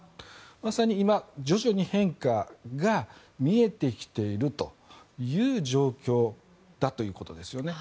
まさに今、徐々に変化が見えてきているという状況だということですよね。